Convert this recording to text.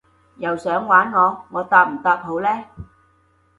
又想玩我？我答唔答好呢？